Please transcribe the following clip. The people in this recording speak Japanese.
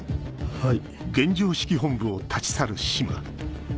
はい。